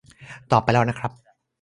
ตอบไปแล้วนะครับ